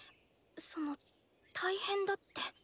その大変だって。